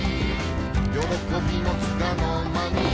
「よろこびもつかのまに」